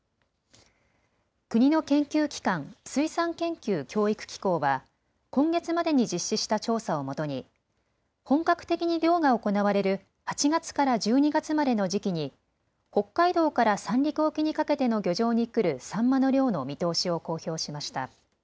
国の研究機関、水産研究・教育機構は今月までに実施した調査をもとに本格的に漁が行われる８月から１２月までの時期に北海道から三陸沖にかけての漁場に来るサンマの量の見通しを公表しました。